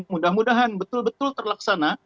mudah mudahan betul betul terlaksana